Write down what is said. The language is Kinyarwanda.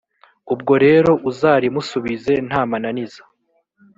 ubwo rero uzarimusubize nta mananiza.